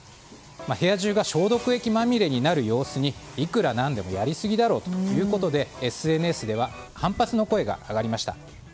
部屋中が消毒液まみれになる様子にいくら何でもやりすぎだろうということでＳＮＳでは反発の声が上がりました。